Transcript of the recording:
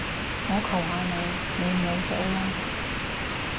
我求下你，你唔好走啦